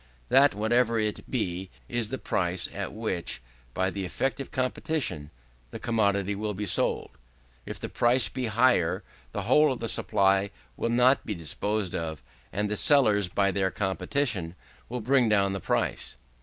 That, whatever it be, is the price at which, by the effect of competition, the commodity will be sold. If the price be higher, the whole of the supply will not be disposed of, and the sellers, by their competition, will bring down the price.